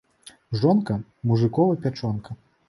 Жонка – мужыкова пячонка